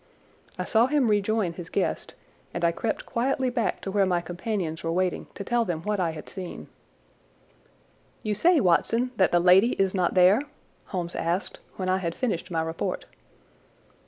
I saw him rejoin his guest, and I crept quietly back to where my companions were waiting to tell them what I had seen. "You say, Watson, that the lady is not there?" Holmes asked when I had finished my report.